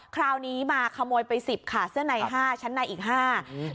คราวนี้มาขโมยไปสิบค่ะเสื้อในห้าชั้นในอีกห้าอืม